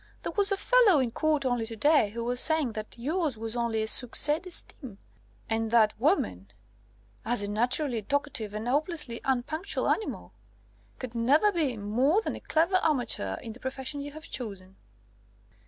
There was a fellow in court only to day, who was saying that yours was only a succès d'estime, and that woman, as a naturally talkative and hopelessly unpunctual animal, could never be more than a clever amateur in the profession you have chosen."